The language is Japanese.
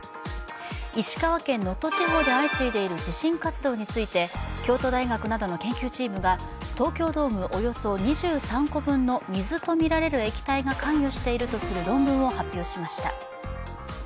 石川県・能登地方で相次いでいる地震活動について京都大学などの研究チームが東京ドームおよそ２３個分の水と見られる液体が関与しているとする論文を発表しました。